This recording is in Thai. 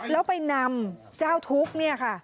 แล้วไปนำเจ้าทุกข์เนี่ยค่ะ